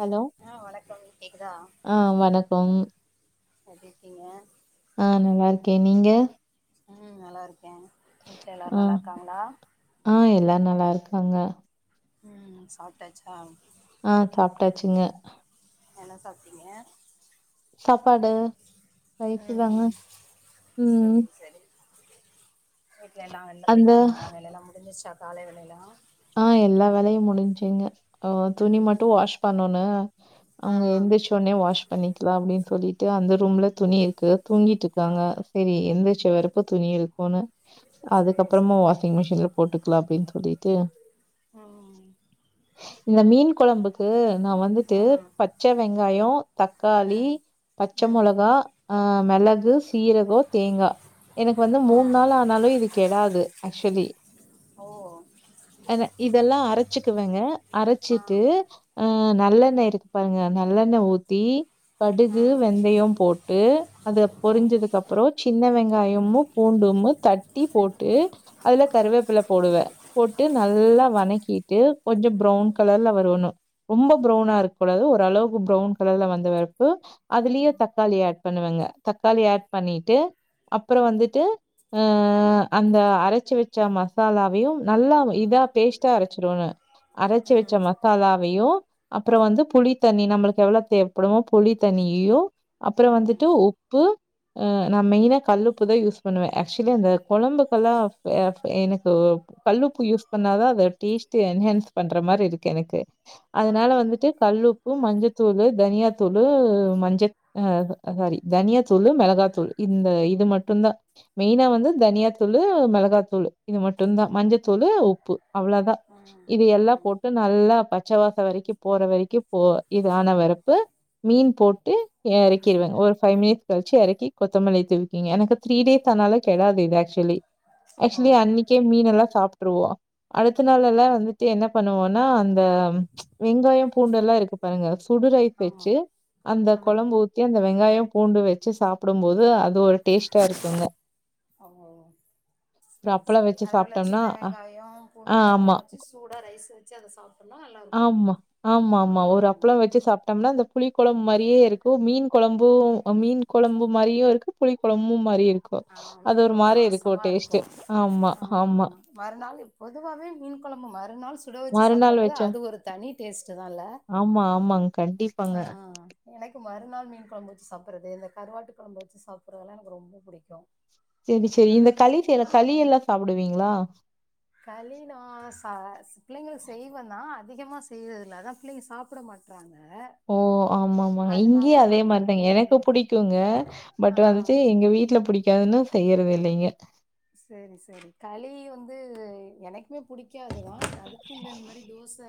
Hello ஆ வணக்கம் கேக்குதா ஆ வணக்கம் எப்டி இருக்கீங்க ஆ நல்லா இருக்க நீங்க ம் நல்லா இருக்க வீட்ல ஆ எல்லாரும் நல்லா இருக்காங்களா ஆ எல்லாரு நல்லா இருக்காங்க ம் சாப்டாச்சா ஆ சாப்டாச்சுங்க என்ன சாப்டீங்க சாப்பாடு ரைசு தாங்க ம் ம் வீட்டுல எல்லா வெள்ல அந்த பேயிட்டாங்களா வேல்லல்லா முடிஞ்சிச்சா காலை வேலல்லா ஆ எல்லா வேலையு முடிஞ்சுங்க அ துணி மட்டும் ம் வாஷ் பண்ணணு ஆ அவுங்க எந்திச்சி ஒன்னே வாஷ் பண்ணிக்கலா அப்டின்னு சொல்லிட்டு அந்த ரூம்ல துணி இருக்கு தூங்கிட்டு ஆ இருக்காங்க சரி எந்தி ச்ச வெரப்ப துணி இருக்குனு சரி அதுக்கப்புறமா சரி வாஷிங் மிஷின்ல போட்டுக்கலா அப்டின்னு சொல்லிட்டு ம் இந்த மீன் கொழம்புக்கு நா வந்துட்டு ம் பச்ச வெங்காயம் தக்காளி ம் பச்ச ம் மொளகா ஆ மிளகு சீரகம் தேங்கா எனக்கு வந்து ஆ மூணாள் ஆனாலும் இது கெடாது ஆக்சுலி ஓ அத இதெல்லா அரைச்சுக்குவங்க ஆ அரச்சிட்டு ஆ நல்லெண்ண இருக்கு பாருங்க நல்லெண்ண ஊத்தி கடுகு ம் வெந்தயம் போட்டு அந்த ம் பொறிஞ்சதுக்கு அப் அப்புறோ சின்ன வெங்காயமு பூண்டுமு தட்டி போட்டு அதுல கருவேப்பில போடுவ போட்டு நல்லா வணக்கிட்டு கொஞ்சோ ப்ரவுன் கலர்ல வரணு ரொம்ப ப்ரவுனா இருக்க கூடாது ஒரு அளவு ப்ரவுன் கலர்ல வந்த பிறகு அதுலயே ம் தக் தக்காளி ஆட் பண்ணுவேங்க தக்காளி ஆட் பண்ணிட்டு அப்பறோ வந்துட்டு அ அந்த அரைச்சு வச்ச மசாலாவையு நல்லா இதா பேஸ்ட்டா அரைச்சிருவ நானு அரைச்சு வச்ச ம் மசாலாவையு அப்பறோ வந்து புளித்தண்ணி நம்மளுக்கு எவ்வளோ தேவப்படுமோ புளித் தண்ணியையு அப்பறோ வந்துட்டு உப்பு ஆ நா மெய்னா கல்லுப்புதா யூஸ் பண்ணுவே ஆக்சுலி அந்த குழம்புகெல்லா எ எனக்கு கல்லுப்பு யூஸ் பண்ணாதா அத டேஸ்டு என்ஹென்ஸ் பண்ற மாரி இருக்கு எனக்கு ஆ அதுனால வந்துட்டு கல்லுப்பு மஞ்சதூளு தனியாதூளு மஞ்ச அ சாரி தனியா தூளு மெளகா தூளு இந்த இது மட்டுந்தா மெயினா வந்து தனியாதூளு மிளகாத்தூளு இது மட்டுந்தா மஞ்சத்தூளு உப் பு அவ்ள தா ம் இது எல்லா ம் போட்டு நல்லா பச்சவாச வரைக்கு போற வரைக்கு போ இது ஆன வரப்பு மீன் போட்டு இறக்கிறுவ ஒரு ஃபைவ் மினிட் கழிச்சு இறக்கி கொத்தமல்லி தூவி எனக்கு த்ரீ டேஸ் ஆனால கெடாது இது ஆக்சுலி ஆக்சுலி ஓ அன்னிக்கே மீன் எல்லா சாப்பிட்டுருவோ அடுத்த நாள் எல்லா வந்துட்டு என்ன பண்ணுவோனா அந்த வெங்காயோ பூண்டு எல்லா இருக்கு பாருங்க சுடு ரைஸ் ஆமா வச்சு அந்த ஆமா குழம்பு ஊத் தி அந்த வெங்காயோ பூண்டு வச்சு சாப்பிடும் போது அது ஒரு டேஸ்ட்டா இருக்குங்க ஓ ஒரு செரி அப்பளம் செரி வச்சு அதுல உள்ள சாப்ட்டோம்னா சின்ன அ வெங்காயோ ஆ பூண்டு அதெல்லா ஆமா. வச்சு சூடா ரைஸ் வச்சு அத சாப்டோம்னா நல்லா இருக்கு ஆமா. ஆ டம்னா இந்த புளி குழம்பு மாரியே இருக்கு மீன் குழம்பு மீன் குழம்பு மாரியு இருக்கு புளி குழம்பும் மாரியு இருக்கு ஆ அது மீன் ஒரு கொழம்பு மாரி இருக்கு வாசமா டேஸ்டே ஆமா ஆமா மறுநாளு பொதுவாவே மீன் குழம்பு மறுநாள் சுட வச்சு மறுநாள் சாப்டும் போது வச்சா அது ஒரு தனி டேஸ்டு தால்ல ஆமா, ஆமாங்க. கண்டிப்பாங்க. அ அ எனக்கு மறுநாள் மீன் குழம்பு வச்சு சாப்புட்றது இந்த கருவாட்டு குழம்பு வச்சு சாப்பிடுற தெல்லா எனக்கு ரொம்ப புடிக்கு செரி செரி இந்த களி செய்ற களி எல்லா சாப்டுவீங்களா களி நா சா பிள்ளைங்களு செய்வந்தா அதிகமா செய்றதில்ல அதா பிள்ளைங்க சாப்ட மாட் றாங்க ஓ ஆமா ஆமா இங்கயு அதே மாரிதாங்க மாரி எனக்கு புடிக்குங்க ஆ பட் வந்துட்டு எங்க வீட்ல புடிக்காதுன்னு செய்யறதில்லைங்க செரி செரி களி வந்து எனக்குமே புடிக்காதுதா அதுக்கு இந்த மாரி தோச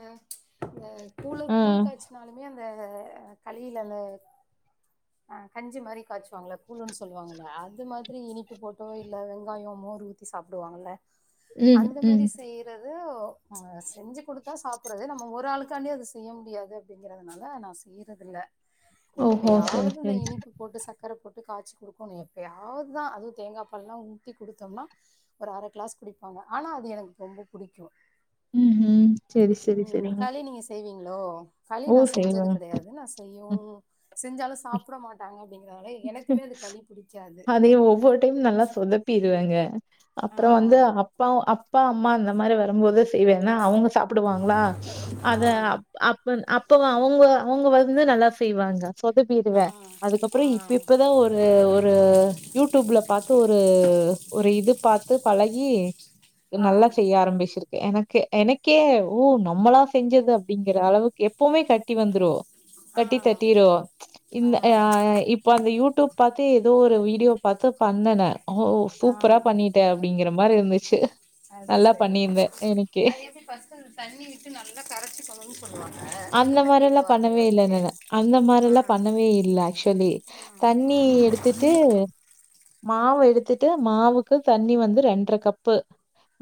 இந்த கூ ஆ கூலு காய்ச்சினாலுமே அந் த களில அந்த ஆ கஞ்சி மாரி காய்சுவாங்கல கூழுன்னு சொல்லுவாங்கல்ல அது மாதிரி இனிப்பு போட்டோ இல்ல ங்காயோ மோர் ஊத்தி சாப்டுவாங்கல்ல ம் அந்த ம் மாரி செய்யுறது அ செஞ்சு குடுத்தா சாப்புட்றது நம்ம ஒரு ஆளுக்காண்டி அத செய்ய முடியாது அப்டிங்கிறதுனால நா செய்றதில்ல ஓஹோ சரி எப்பயாவது இந்த சரி இனிப்பு போட்டு சக்கர போட்டு காய்ச்சி குடுக்கணு எப்போயாவது தா அதுவு தேங்காபாலெல்லா ஊ த்தி குடுத்தோம்னா ஒரு அர க்ளாஸ் குடிப்பாங்க ஆனா அது எனக்கு ரொம்ப புடிக்கு ம் ம் செரி செரி ம் செரிங்க களி நீங்க செய்வீங்களோ களி ஓ நா செஞ்சது செய்வங்க கிடையாது நா ம் செய்யும் செஞ்சாலு சாப்ட மாட்டாங்க அப்டிங்கறதுனால எனக்குமே அது களி புடிக்காது நீங்க ஒவ்வொரு டைம் நல்லா சொதப்பிருவேங்க ஆ அப்றோ வந்து அப்பா அப்பா அம்மா அந்த மாரி வரும்போது செய்வேனா அவுங்க சாப்டுவாங்களா அத ஆ அப் அப்ப அவுங்களா அவங்க வந்து நல்லா செய்வாங்க ஆ சொதப்பிடுவே அதுக்கப்றோ இப் பிப் இப்பதா ஒரு ஒரு யூடிப்ல பாத்து ஒரு ஒரு இது பாத் து பழகி ஆ ஆ நல்லா செய்ய ஆரம்பிச்சிரு எனக்கு எனக்கே ஓ நம்மளா செஞ்சது அப்டிங்கற அளவுக்கு எப் பவுமே கட்டி வந்துரு கட்டி ஆ தட்டிரு இந்த ஆ இப் ப அந்த யூடூப் பாத்து ஏதோ ஒரு வீடியோ பாத்து பண்ணனே ஓ ஆ சூப்பரா பண்ணிட் ட அப்டிங்கிற மாரி இருந்துச்சி அது சரி அது எப்டி ஃபஸ்ட் அந்த தண்ணி விட்டு நல்லா கரச்சி கொ அந்த மாரி எல்லா பண்ணவே இல்ல அளவுக்கு நானு அந்த மாரி ஆ எல்லா பண்ணவே இல்ல ஆக்ச்வலி ம் தண்ணி ம் எடுத்துட்டு மாவு எடுத்துட்டு மாவுக்கு தண்ணி வந்து ரெண்டர கப்பு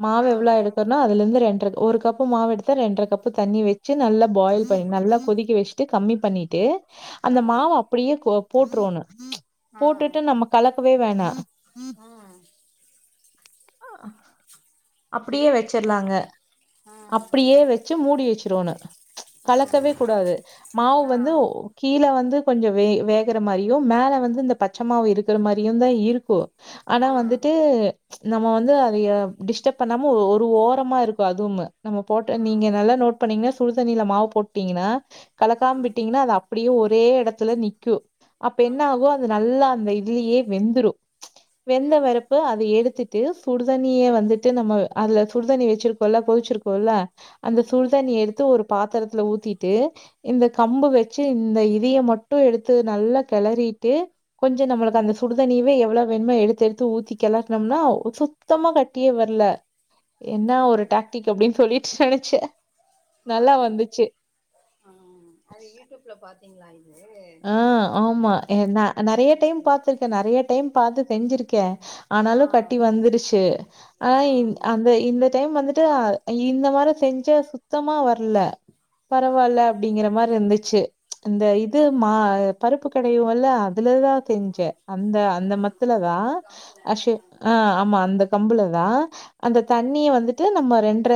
மாவு ஆ எவ்ளோ எடுக் த்தனா அதுலந்து இரண்டர ஒரு கப்பு மாவு எடுத்தா ரெண்டர கப்பு தண்ணி வெச்சு நல்லா பாயில் பண்ணி நல்லா கொதிக்க வச் ட்டு கம்மி பண்ணிட்டு அந்த ஆ மாவ அப்டியே கோ போட்றோனு ஆ ம் போட்டுட்டு நம்ம கலக்கவே வேணா ம் அப்டியே வச்சர்லாங்க அப்டியே வெ ச்சு மூடி வச்சிருவோனு ம் கலக்கவே கூடாது மாவு ஆ வந்து கீழ வந்து கொஞ்ச வே வேகற மாரியு மேல வந்து இந்த பச்ச மாவு இருக்கற மாரியு தா இருக்கு ஆனா ஆ வந்துட்டு நம்ம வந்து அதைய டிஸ்டப் பண்ணாம ஒரு ஓரமா இருக்கு அதுவுமு நம்ம போட்ட ஆ நீங்க நல்லா நோட் பண்ணீங்னா சுடு தண்ணில மாவு போட்டீங்கனா ஆ கலக்காம் விட்டீங்கனா அது அப் டியு ஒரே எடத்துல நிக்கு அப்ப என்ன ஆமா ஆகு அது நல்லா அந்த இதுலியே வெந்துரு வெந்த ம் வரப்பு அ த எடுத்துட்டு சுடு தண்ணிய வந்துட்டு நம்ம அதுல சுடு தண்ணி வச்சிருக்குல்ல கொதிச்சிருக்குல்ல அந்த ஆமா சூடு தண்ணிய எடுத்து ஒரு பாத்தரத்துல ஊத்திட்டு இந்த கம்பு வச்சி இந்த இதைய மட்டு எடுத்து நல்லா கெளறிட்டு கொஞ்ச நம்மளுக்கு ம் அந்த சுடு தண்ணியவே எவ்ளோ வேணுமோ எடுத்து எடுத்து ஊத்தி கெளர்னம்னா சுத்தமா கட்டியே வர்ல என்ன ஒரு டாக்டிக் அப்டின் சொல்லிட் நெனச்சே ஆ நல்லா வந்துச்சு ஆ அத யூடூப்ல பாத்தீங்களா இது ஆ ஆமா எ நா நெறைய சரி டைம் சரி பாத்திருக்கே நெறைய டைம் பாத்து செஞ்சிருக் கே ஆ ஆனாலு கட்டி வந்துருச்சி ஆ அந்த இந்த டைம் வந்துட்டு இந்த மாரி செஞ்சா சுத்தமா வர்ல ஆ பரவால்ல ஆமா அப்டிங்கிற மார்ருந்துச்சி அந்த இ து மா பருப்பு கடைவோ இல்ல அதுல தா செஞ்சே அந்த அந்த ஆ மத்துல தா அந்த கம்புல அஷே ஆ ஆமா அந்த கம்புல தா அந்த தண்ணிய வந்துட்டு நம்ம ரெண்டர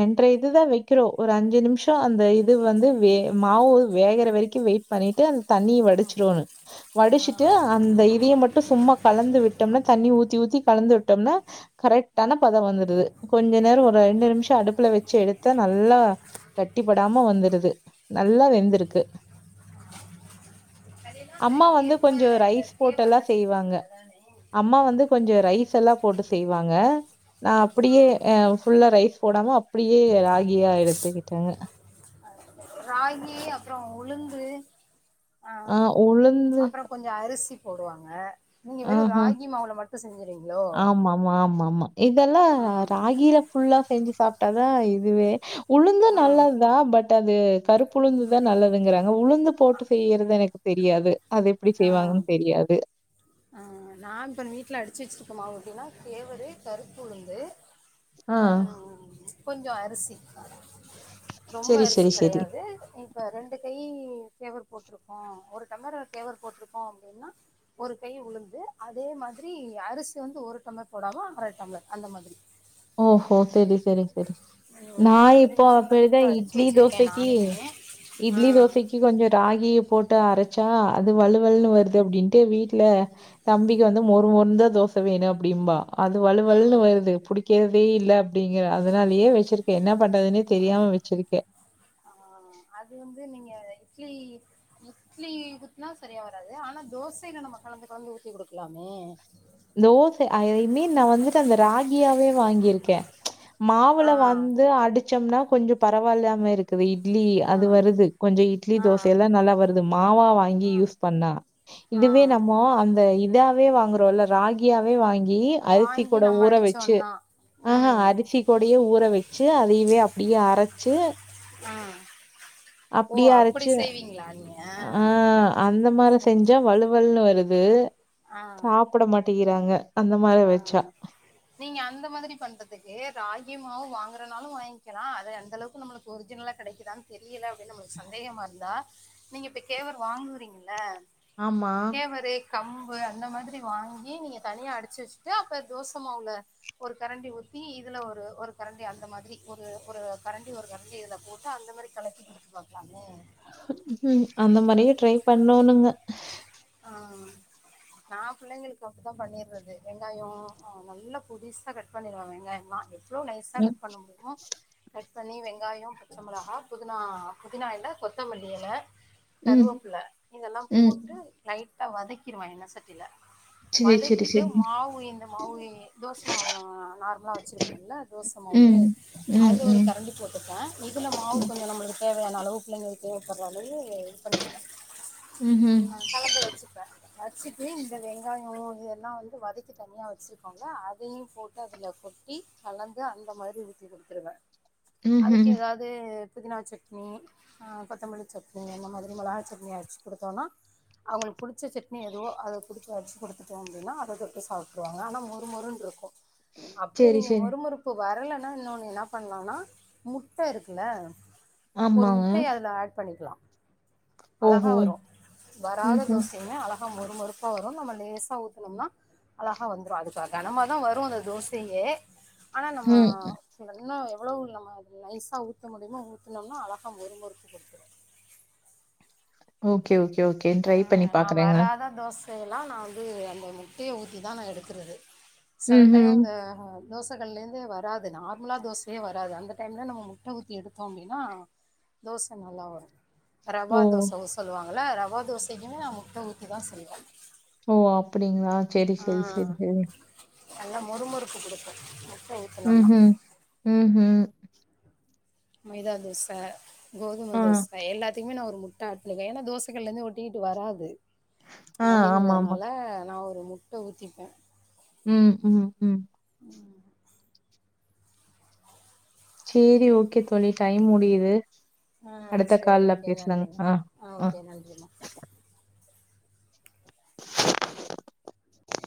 ரெண்டரை இது தா வைக் கிறோ ஒரு அஞ்சு நிமிஷோ அந்த இது வந்து வே மாவு வேகற வரிக்கு வெயிட் பண்ணிட்டு அந் தண்ணி வடிச்சிறோனு ஆ வடிச்சிட்டு அந்த இதைய மட்டு சும்மா கலந்து விட் டம்னா தண்ணி ஊத்தி ஊத்தி கலந்து விட்டம்னா கரெக்ட்டான பத வந்துடுது கொஞ்ச நேரோ ஒரு ரெண்டு நிம்ஷோ அடுப்புல வச்சி எடுத்த நல்லா கட்டிப் படாம வந்துருது நல்லா வெந்திருக்கு அதெல்லாம் அந்த அம்மா வந்து கேப்ப கொஞ்ச இல்ல ரைஸ் போட்டல்லா கேவர்ல செய்வாங்க செய்வாங்களே அதானே அம்மா வந்து கொஞ்ச ரைஸ் செல்லா போட்டு செய்வாங்க நா அப்டியே அ ஃபுல்லா ரைஸ் போடாம அப் டியே ராகியா எடுத்துக் கிட்டங்க ராகி அப்றோ உளுந்து ஆ அப்றோ கொஞ்ச அரிசி போடுவாங்க நீங்க வெறும் ஆஹ்ஹா ராகி மாவுல மட்டும் செஞ்சுறீங்களோ ஆமா ஆமா ஆமா ஆமா இதெல்லா ஆ ராகில ஃபுல்லா செஞ்சு சாப்ட்டா தா இதுவே உளுந்தும் ஆ நல்லதுதா பட் அது கருப்புளுந்துதா நல்லதுங்கிறாங்க உளுந்து போட்டு செய்யறது எனக்கு தெரியாது அது எப்டி ஆ செய்வாங்கன்னு தெரியாது ஆ நான் இப்ப மீட்டுல அடிச்சு வச்சிருக்க மாவு எப்டின்னா கேவரு கருப்புளுந்து ஆ கொஞ்சோ அரிசி ரொம்ப சரி, அரிசி சரி, சரி. கெடையாது ம் இப்ப ரெண்டு கை கேவர் போட்ருக்கோ ஒரு டம்ளர் கேவர் போட்ருக்கோ அப்டின்னா ஒரு கை உளுந்து அதே மாதிரி அரிசி வந்து ஒரு டம்ளர் போடாம அர டம்ளர் அந்த மாதிரி ஓஹோ செரி செரி செரி ம் நா அந்த மாரி இப்போ மிஷின்ல அப்டிதா குடுத்து அடிச்சு இட்லி வச்சிருக்கே தோசக்கீ நானுமே ஆ இட்லி தோசக்கி கி கொஞ்சோ ராகிய போட் ட்டு அரச்சா அது வழு வழுன்னு வருது அப்டின்ட்டு வீட்டுல தம்பிக்கு வந்து மொறுமொறுந்தா தோச வேணு அப்டிம்பா அது வழுவழுன்னு ம் வருது புடிக்கிறதே இல்ல அப்டிங்கற அதனாலயே வெச் சுருக்கே என்ன பண்றதுன்னே தெரியாம வச்சிருக்கே ஆ அது வந்து நீங்க இட்லி இட்லியிதுக்னா சரியா வராது ஆனா தோசையில நம்ம கலந்து கலந்து ஊத்தி குடுக்கலாமே தோச அது ஜ மீன் நா வந்துட்டு அந்த ராகியாவே வாங்கியிருக்கே ஆ மாவுல வந்து அடிச்சம்னா கொஞ்ச பரவால்லாம இருக்குது இட் லி ஆ அது வருது கொஞ்சோ இட்லி ஆ தோசல்லா நல்லா வருது மாவா வாங்கி ஆ யூஸ் பண்ணா ஆ இதுவே நம்ம அந்த இதாவே வாங்குறோல்ல ராகியாவே வாங்கி கி அருத்தி வாங்கி கூட நம்ம ஊற வெச்சு அடிச்சோன்னா ஆஹா ம் அரிசி கொடையே ஊற வெச்சு அதையுவே அப்டியே அரச்சு ஆ அப்டியே அரச்சு ங்ளாய [unintelligible] ஆ அந்த மாரி செஞ்சா சரி வழுவழுன்னு வருது ஆ சாப் சாப்பட மாட்டிகிறாங்க அந்த மாரி ஆ வச்சா நீங்க அந்த மாதிரி பண்றதுக்கு ராகி மாவு வாங்குறனாலு வாங்கிக்கலா அது அந்த அளவுக்கு நம்ளுக்கு ஒரிஜினலா கெடக்கிதா தெரியல நம்ளுக்கு சந்தேகமா இருந்தா நீங்க இப்ப கேவர் வாங்றீங்ல்லா ஆமா. கேவரு கம்பு அந்த மாதிரி வாங்கி நீங்க தனியா அடிச்சு வச்சுட்டு அப்ப தோசைமாவுல ஒரு கரண்டி ஊத்தி இதுல ஒரு ஒரு கரண்டி அந்த மாதிரி ஒரு ஒரு கரண்டி ஒரு கரண்டி இதுல போட் ட்டா அந்த மாதிரி கலச்சி குடுத்து பாக்லால்ல உம் அந்த மாரியு ட்ரை பண்ணோனுங்க ஹா நா பிள்ளைங்ளுக்கு அப்டி தா பண்ணிர்றது வெங்காயோ நல்லா போடுசா கட் பண்ணுற்வே வெங்காயோலா எவ்ளோ நைஸா ம், கட் பண்ண முடியுமோ கட் பண்ணி வெங்காயோ பச்சமிளகா புதினா புதினாயல கொத்தமல்லியல ம், கருவேப்ல இதெல்லா ம். போட்டு லைட்டா வதக்கிருவே எண்ணெ சட்டில செர் செரி செரி ம் மாவு இந்த மாவு தோச மாவு நா நார்மலா வச்சுருப்ப்பேன்ல தோச மாவு ம், ம், அது ஒரு ம். கரண்டி போட்டுபே இதுல மாவு கொஞ்சோ நம்மளுக்கு தேவ யான அளவு பிள்ளைங்களுக்கு தேவப்படுற அளவு இது பண்ணிடுவே ம்ஹ்ம். ஆ‌ கலந்து வச்சுப்பே வச்சுட்டு இந்த வெங்காய இதெல்லா வத் வதக்கி தனியா வச்சுருக்கோல்ல அதையு போட்டு அதுல கொட்டி கலந்து அந்த மாரி ஊத்திகுடுக் த்ருவே அதுக்கு ம்ஹ்ம். ஏதாது புதினா சட்னி அ கொத்தமல்லி சட்னி அந்த மாதிரி மொளகா சட்னி அர்ச் குடுத்தோன்னா அவங்களுக் பிடிச்ச சட்னி எதுவோ அத குடிச்ச அடிச்சு குடுத்துட்டோ அப்டின்னா அத தொட்டு சாப்ட்ருவாங்க ஆனா மொறுமொறுன்னு இருக்கு அப்டி சரி, நீங்க சரி. மொறுமொறுப் பு வர்லன்னா இன்னொனு என்ன பண்லானா முட்ட இருக்குல ஒரு ஆமாங்க. முட்டைய அதுல ஆட் பண்ணிக்கலா அழகா ஓஹோ! வரு வராத ம்ஹ்ம். தோசையுமே அழகா மொறுமொறுப்பா வரு நம்ம லேசா ஊத்தனம்னா அழகா வந்துரு அதுக்காக கணமாதா வரு அந்த தோசையே ஆனா நம்ம ம். இன்னு எவ்ளோ நம்ம நைஸா ஊத்த முடியுமோ ஊத்தினோம்னா அழகா மொறுமொறுப்பு கொடுத்துரும் ஓகே ஓகே ஓகே ட்ரை பண்ணி பாக்கறங்க தோசையெல்லா நா வந்து அந்த முட்டைய ஊத்திதா நா எடுக்கறது சில டையம் ம்ஹ்ம். இந்த தோச கள்லிருந்தே வராது நார்மலா தோசையே வராது அந்த டைம்ல நம்ம முட்ட ஊத்தி எடுத்தோ அப்டின்னா தோச நல்லா வரு ரவா ஓ! தோச ஊத் சொல்லுவாங்கள ரவா தோசைக்குமே நா முட்ட ஊத்திதா செய்வ ஓ அப்டிங்களா ஆ நல்லா மொறுமொறுப்பு கொடுக்கு முட்ட ஊ ஹ் ஹும் ஹ் ஹும் மைதா தோச கோதும ஆ, தோச எல்லாத்திக்குமே நா ஒரு முட் ட ஏன்னா கள்ல இருந்து ஒட்டிக்கிட்டு வராது ஆ. ஆமாமா. அப்படிங்கறதுனால நா ஒரு முட் முட்ட ஊத்திப்பே ம் ம் ம் செரி ஓகே தோழி டைம் முடியுது ஆ அடுத்த சரி கால்ல ஓகே பேசலாங் நன்றிங்க ஆ ஆ ஓகே நன்றிம்மா [inaudible]